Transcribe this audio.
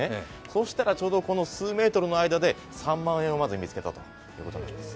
そうしたらちょうどこの数メートルの間で３万円を見つけたというわけです。